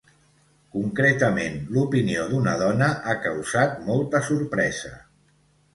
Concretament, l’opinió d’una dona ha causat molta sorpresa.